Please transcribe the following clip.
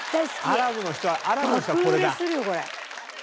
アラブの人はこれだ。